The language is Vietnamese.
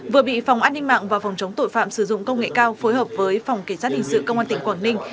vừa bị phòng an ninh mạng và phòng chống tội phạm sử dụng công nghệ cao phối hợp với phòng kể sát hình sự công an tỉnh quảng ninh